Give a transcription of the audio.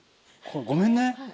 ごめんね。